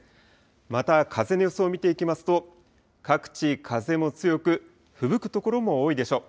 また、風の予想を見ていきますと、各地、風も強く、ふぶく所も多いでしょう。